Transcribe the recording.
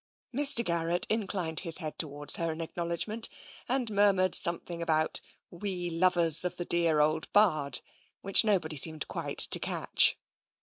Mr. Garrett inclined his head towards her in acknowledgment and murmured something about " we lovers of the dear old bard " which nobody seemed quite to catch.